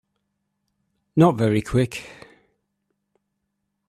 Not very Quick